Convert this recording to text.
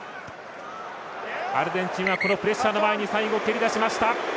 アルゼンチンこのプレッシャーの前に最後、蹴り出しました。